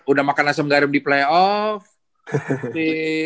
udah makan asam garam di playoff